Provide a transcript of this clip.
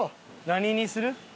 何にする？